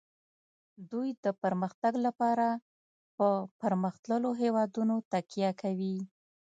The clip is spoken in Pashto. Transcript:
دوی د پرمختګ لپاره په پرمختللو هیوادونو تکیه کوي